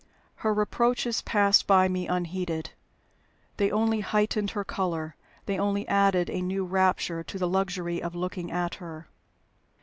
Her reproaches passed by me unheeded. They only heightened her color; they only added a new rapture to the luxury of looking at her.